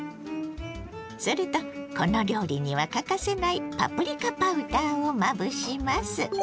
それとこの料理には欠かせないパプリカパウダーをまぶします。